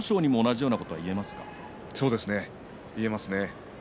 そうですね言えますね。